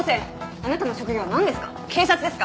あなたの職業は何ですか？